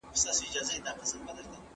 زه اوس اوبه ورکوم!؟